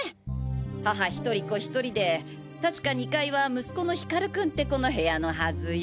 母１人子１人で確か２階は息子のヒカル君って子の部屋のハズよ。